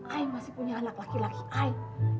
ayah masih punya anak laki laki ayah